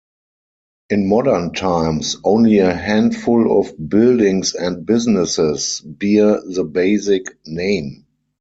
In modern times, only a handful of buildings and businesses bear the Basic name.